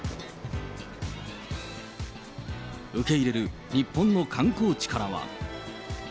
受け入れる日本の観光地からは。